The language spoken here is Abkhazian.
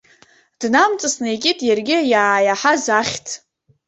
Днамҵасны икит иаргьы иааиаҳаз ахьӡ.